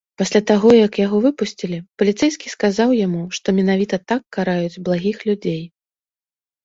Пасля таго, як яго выпусцілі, паліцэйскі сказаў яму, што менавіта так караюць благіх людзей.